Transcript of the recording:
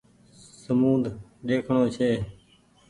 سمونڌ ۮيکڻو ڇي